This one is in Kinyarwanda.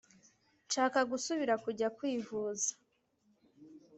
nshaka gusubira kujya kwivuza